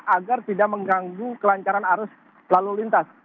agar tidak mengganggu kelancaran arus lalu lintas